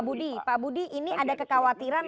pak budi pak budi ini ada kekhawatiran untuk sebabnya